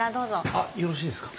あよろしいですか？